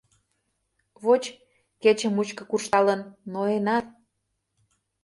Воч, кече мучко куржталын, ноенат.